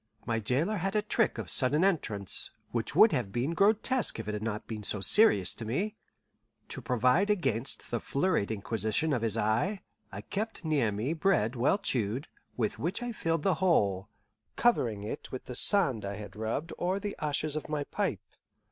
My jailer had a trick of sudden entrance, which would have been grotesque if it had not been so serious to me. To provide against the flurried inquisition of his eye, I kept near me bread well chewed, with which I filled the hole, covering it with the sand I had rubbed or the ashes of my pipe.